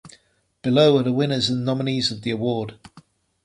Below are the winners and nominees of the award.